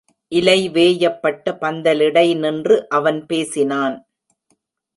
இலை வேயப்பட்ட பந்தலிடை நின்று அவன் பேசினான்.